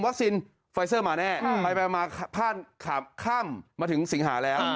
วัคซีนไฟเซอร์มาแน่ใช่ไปไปมาผ้าข้ามมาถึงสิงหาแล้ว